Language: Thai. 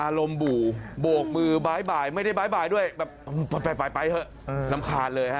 อารมณ์บู่โบกมือบายไม่ได้บายด้วยแบบไปเหอะน้ำคาญเลย